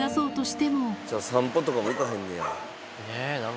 散歩とかも行かへんねや。